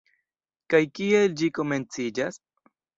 Kaj kiel ĝi komenciĝas?